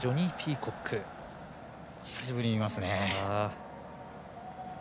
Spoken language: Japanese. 久しぶりに見ますね。